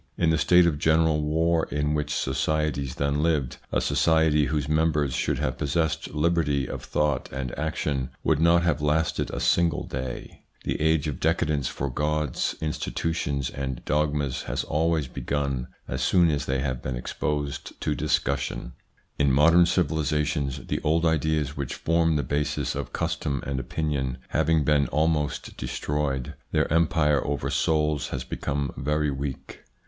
In the state of general war in which societies then lived, a society whose members should have possessed liberty of thought and action would not have lasted a single day. The age of decadence for gods, institu tions, and dogmas has always begun as soon as they have been exposed to discussion. In modern civilisations, the old ideas which form the basis of custom and opinion having been almost destroyed, their empire over souls has become very weak.